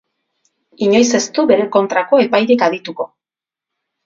Inoiz ez du bere kontrako epairik adituko.